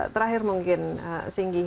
terakhir mungkin singgi